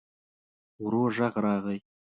ورو غږ راغی.